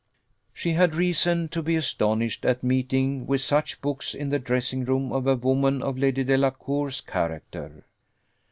She had reason to be astonished at meeting with such books in the dressing room of a woman of Lady Delacour's character.